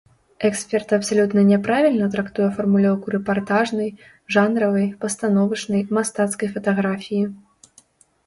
Эксперт абсалютна няправільна трактуе фармулёўку рэпартажнай, жанравай, пастановачнай, мастацкай фатаграфіі.